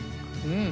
うん。